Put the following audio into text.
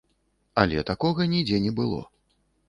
Але такога нідзе не было.